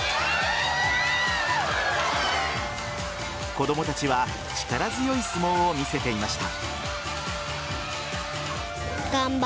子供たちは力強い相撲を見せていました。